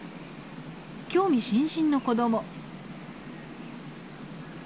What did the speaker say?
興味津々の子ども。